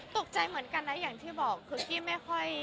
ตกใจเหมือนกันนะอย่างที่บอกคือกี้ไม่ค่อย